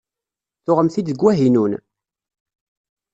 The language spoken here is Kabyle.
Tuɣemt-t-id deg Wahinun?